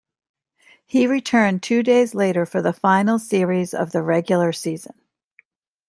He returned two days later for the final series of the regular season.